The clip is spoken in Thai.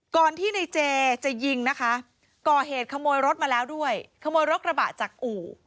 ก่อนที่ในเจจะยิงนะคะก่อเหตุขโมยรถมาแล้วด้วยขโมยรถกระบะจากอู่